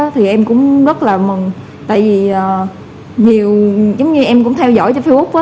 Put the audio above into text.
thì em cũng rất là mừng tại vì nhiều giống như em cũng theo dõi cho facebook